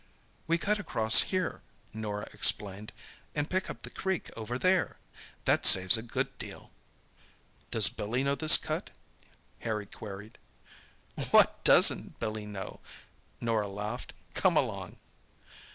"We cut across here," Norah explained, "and pick up the creek over there—that saves a good deal." "Does Billy know this cut?" Harry queried. "What doesn't Billy know?" Norah laughed. "Come along."